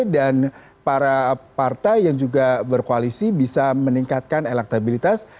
dan para partai yang juga berkoalisi bisa meningkatkan elektabilitas